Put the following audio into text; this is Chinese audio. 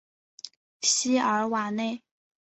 西尔瓦内。